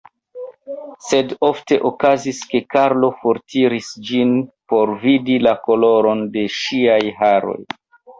Sed ofte okazis, ke Karlo fortiris ĝin por vidi la koloron de ŝiaj haroj.